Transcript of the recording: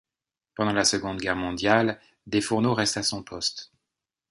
Pendant la Seconde Guerre mondiale, Desfourneaux reste à son poste.